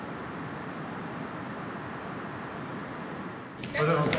・おはようございます。